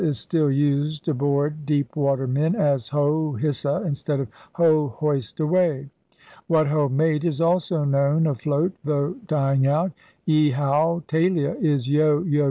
is still used aboard deepwater men as Ho — hissa! instead of Ho — hoist away! What ho, mate! is also known afloat, though dying out. Y howe! taylia! is Yo — ho!